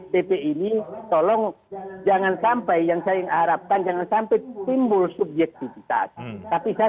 pp ini tolong jangan sampai yang saya harapkan jangan sampai timbul subjektivitas tapi saya